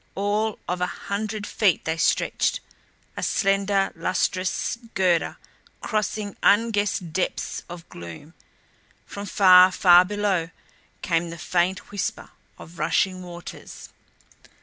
All of a hundred feet they stretched; a slender, lustrous girder crossing unguessed depths of gloom. From far, far below came the faint whisper of rushing waters.